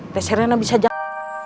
tes serena bisa jatuh